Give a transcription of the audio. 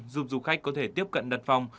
giúp du khách có thể tiếp cận đặt phòng